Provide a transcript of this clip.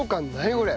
これ。